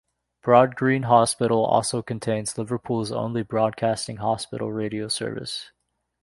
Broadgreen Hospital also contains Liverpool's only broadcasting hospital radio service.